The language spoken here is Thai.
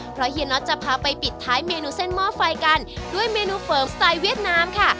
เพราะเฮียน็อตจะพาไปปิดท้ายเมนูเส้นหม้อไฟกันด้วยเมนูเฟิร์มสไตล์เวียดนามค่ะ